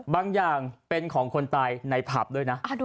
บางอย่างเป็นของคนตายในผับด้วยนะ